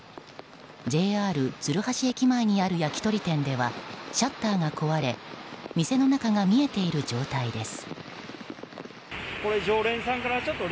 ＪＲ鶴橋駅前にある焼き鳥店ではシャッターが壊れ店の中が見えている状態です。